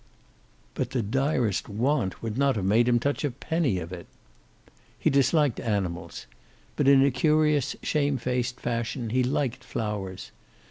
But the direst want would not have made him touch a penny of it. He disliked animals. But in a curious shame faced fashion he liked flowers.